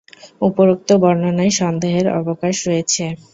উপরোক্ত বর্ণনায় সন্দেহের অবকাশ রয়েছে।